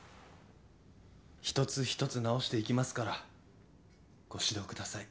一つ一つ直していきますからご指導ください。